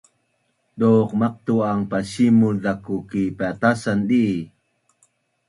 Duq maqtu’an pasimul zaku ki patasan ni?